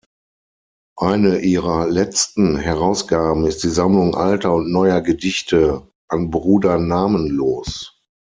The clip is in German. Eine ihrer letzten Herausgaben ist die Sammlung alter und neuer Gedichte "An Bruder Namenlos".